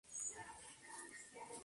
Goyang limita con Seúl al sur.